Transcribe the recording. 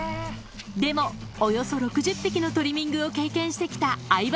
でもおよそ６０匹のトリミングを経験してきた相葉